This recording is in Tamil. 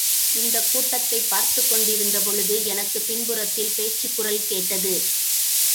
இந்தக் கூட்டத்தைப் பார்த்துக் கொண்டிருந்தபொழுது எனக்குப் பின்புறத்தில் பேச்சுக்குரல் கேட்டது.